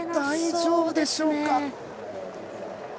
大丈夫でしょうか。